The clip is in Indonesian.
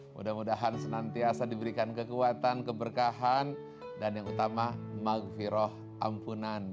mudah mudahan senantiasa diberikan kekuatan keberkahan dan yang utama maghfirah ampunan